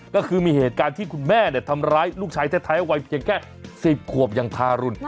ก็คือมีเหตุการณ์ที่คุณแม่ทำร้ายลูกชายแท้วัยเพียงแค่๑๐ขวบอย่างทารุณ